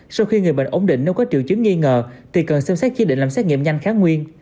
sau khi người bệnh ổn định nếu có triệu chứng nghi ngờ thì cần xem xét chỉ định làm xét nghiệm nhanh kháng nguyên